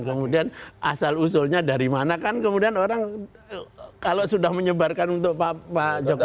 kemudian asal usulnya dari mana kan kemudian orang kalau sudah menyebarkan untuk pak jokowi